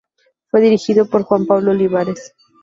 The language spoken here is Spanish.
Fue dirigido por Juan Pablo Olivares.